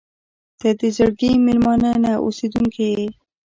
• ته د زړګي مېلمانه نه، اوسېدونکې یې.